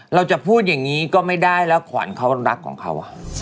เราจะพูดอย่างนี้ก็ไม่ได้แล้วขวัญเขารักของเขา